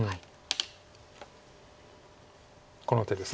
この手です。